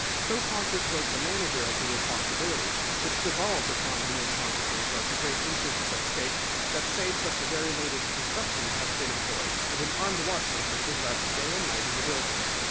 So conscious was the manager of the responsibility which devolved upon him in consequence of the great interests at stake that safes of the very latest construction have been employed, and an armed watchman has been left day and night in the building.